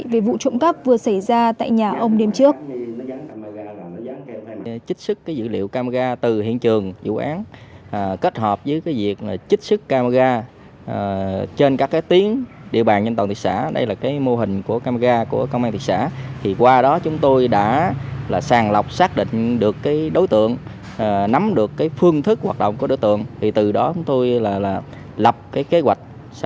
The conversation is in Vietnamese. về vụ trộm cắp vừa xảy ra tại nhà ông đêm trước